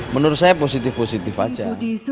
menurut saya positif positif aja